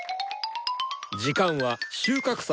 時間は収穫祭